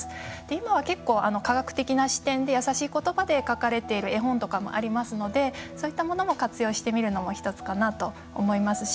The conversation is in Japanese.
今は結構、科学的な視点でやさしいことばで書かれている絵本とかもありますのでそういったものも活用してみるのも１つかなと思いますし。